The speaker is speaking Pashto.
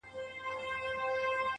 خال دې په خيالونو کي راونغاړه,